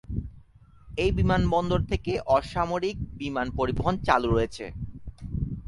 এই বিমানবন্দর থেকে অসামরিক বিমান পরিবহন চালু রয়েছে।